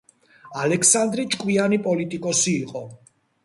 ალექსანდრე ჭკვიანი პოლიტიკოსი იყო.